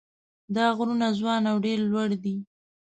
دا غرونه ځوان او ډېر لوړ دي.